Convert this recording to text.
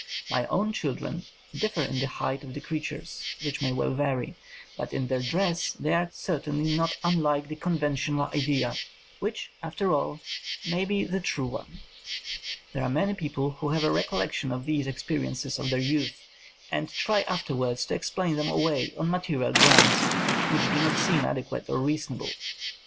My own children differ in the height of the creatures, which may well vary, but in their dress they are certainly not unlike the conventional idea, which, after all, may also be the true one. There are many people who have a recol lection of these experiences of their youth, and try afterwards to explain them away on material grounds which do not seem ade quate or reasonable.